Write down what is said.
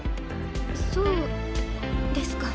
そうですか。